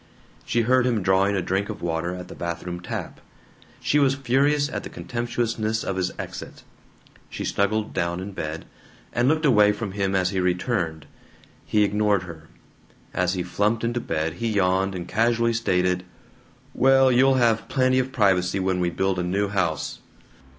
She heard him drawing a drink of water at the bathroom tap. She was furious at the contemptuousness of his exit. She snuggled down in bed, and looked away from him as he returned. He ignored her. As he flumped into bed he yawned, and casually stated: "Well, you'll have plenty of privacy when we build a new house.